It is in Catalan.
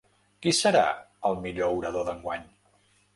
Qui serà el millor orador d’enguany?